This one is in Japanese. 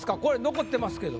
残ってますけど。